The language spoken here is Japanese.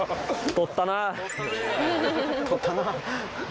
取ったね。